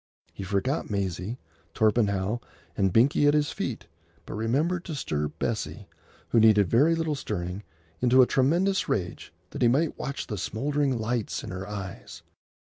He forgot Maisie, Torpenhow, and Binkie at his feet, but remembered to stir Bessie, who needed very little stirring, into a tremendous rage, that he might watch the smouldering lights in her eyes.